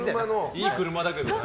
いい車だけどね。